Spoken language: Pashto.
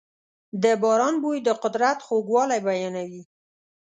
د باران بوی د قدرت خوږوالی بیانوي.